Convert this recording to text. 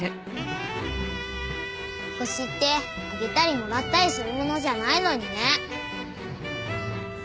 星ってあげたりもらったりするものじゃないのにね。